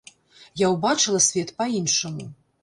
Я ўбачыла свет па-іншаму.